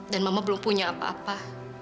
dan mama belum punya apa apa